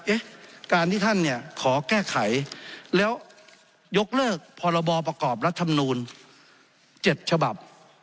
เอ๊ะการที่ท่านเนี่ยขอแก้ไขแล้วยกเลิกพรบประกอบรัฐมนูล๗ฉบับ